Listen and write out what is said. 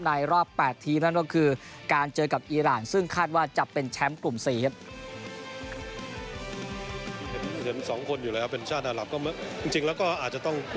รอบ๘ทีมนั่นก็คือการเจอกับอีรานซึ่งคาดว่าจะเป็นแชมป์กลุ่ม๔ครับ